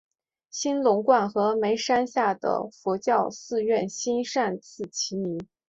兴隆观和峨嵋山下的佛教寺院兴善寺齐名。